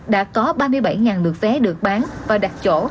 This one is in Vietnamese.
đã có ba mươi bảy lượt vé được bán và đặt chỗ